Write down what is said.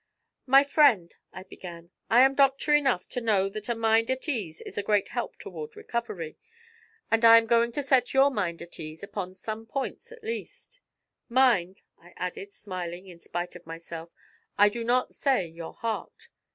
'My friend,' I began, 'I am doctor enough to know that a mind at ease is a great help toward recovery, and I am going to set your mind at ease upon some points at least. Mind,' I added, smiling in spite of myself, 'I do not say your heart.